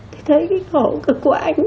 thì thấy cái khổ cực của anh